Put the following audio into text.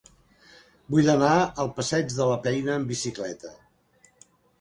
Vull anar al passeig de la Peira amb bicicleta.